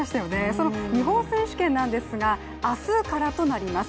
その日本選手権なんですが明日からとなります。